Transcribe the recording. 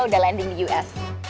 udah landing di us